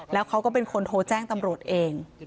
แล้วเขาก็เป็นคนโทรแจ้งตำรวจเอง